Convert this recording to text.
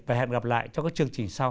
và hẹn gặp lại trong các chương trình sau